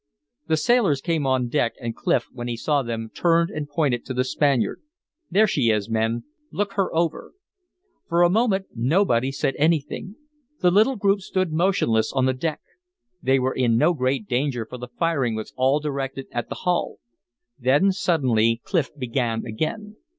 The sailors came on deck and Clif, when he saw them, turned and pointed to the Spaniard. "There she is, men," he said. "Look her over." For a moment nobody said anything; the little group stood motionless on the deck. They were in no great danger for the firing was all directed at the hull. Then suddenly Clif began again.